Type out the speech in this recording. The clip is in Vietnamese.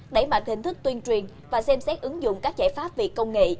đẩy mạnh hình thức tuyên truyền và xem xét ứng dụng các giải pháp về công nghệ